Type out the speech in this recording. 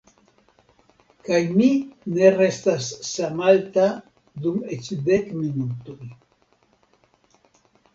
Kaj mi ne restas samalta dum eĉ dek minutoj.